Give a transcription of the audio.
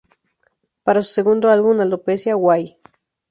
Para su segundo álbum Alopecia, Why?